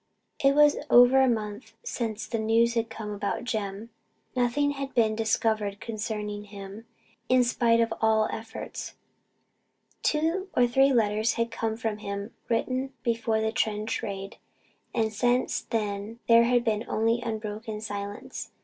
It was over a month since the news had come about Jem. Nothing had been discovered concerning him, in spite of all efforts. Two or three letters had come from him, written before the trench raid, and since then there had been only unbroken silence.